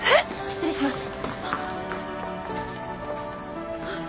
失礼します。